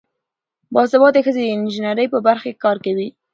باسواده ښځې د انجینرۍ په برخه کې کار کوي.